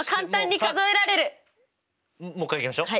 もう一回いきましょう。